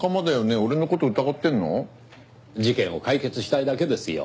事件を解決したいだけですよ。